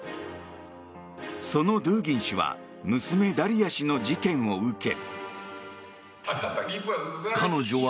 そのドゥーギン氏は娘ダリヤ氏の事件を受け。